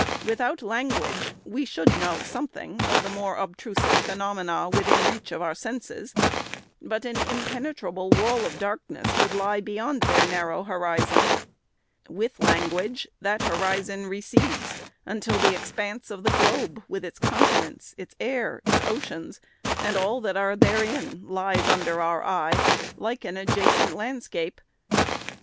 Without language, we should know something of the more obtru sive phenomena, within reach of the senses, but an im penetrable wall of darkness would lie beyond their narrow horizon. With language, that horizon recedes until the expanse of the globe, with its continents, its air, its oceans, and all that are therein, lies under our eye, like an adja cent landscape.